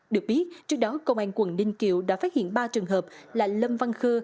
được biết trước đó công an quận ninh kiều đã phát hiện ba trường hợp là lâm văn khơ